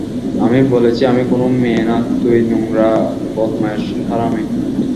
আমি বলেছি, আমি কোনো মেয়ে না, তুই-নোংরা-বদমায়েশ-হারামি!